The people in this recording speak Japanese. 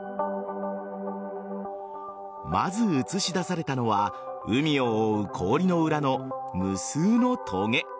まず映し出されたのは海を覆う氷の裏の無数のとげ。